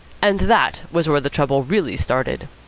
And that was where the trouble really started.